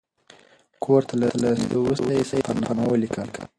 کور ته له ستنېدو وروسته یې سفرنامه ولیکله.